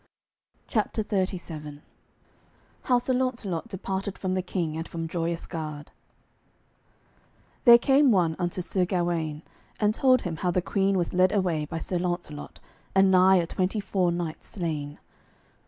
CHAPTER XXXVII HOW SIR LAUNCELOT DEPARTED FROM THE KING AND FROM JOYOUS GARD There came one unto Sir Gawaine, and told him how the Queen was led away by Sir Launcelot, and nigh a twenty four knights slain.